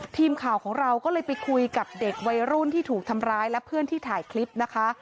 ทีมข่าวของเราก็เลยไปคุยกับเด็กวัยรุ่นที่ถูกทำร้ายและเพื่อนที่ถ่ายคลิปนะคะ